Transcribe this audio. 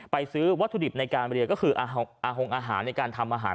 ซื้อวัตถุดิบในการเรียนก็คืออาหงอาหารในการทำอาหาร